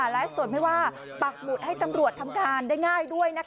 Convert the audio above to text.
ไลฟ์สดไม่ว่าปักหมุดให้ตำรวจทำการได้ง่ายด้วยนะคะ